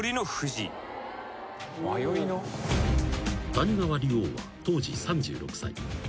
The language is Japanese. ［谷川竜王は当時３６歳］